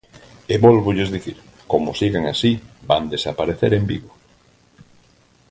E vólvolles dicir: como sigan así, van desaparecer en Vigo.